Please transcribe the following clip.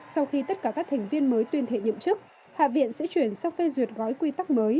sau khi tất cả các thành viên mới tuyên thệ nhậm chức hạ viện sẽ chuyển sang phê duyệt gói quy tắc mới